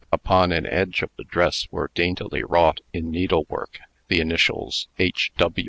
Upon an edge of the dress were daintily wrought, in needle work, the initials, H.